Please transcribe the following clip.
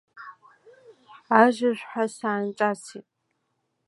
Ажывҳәа саанҿасит.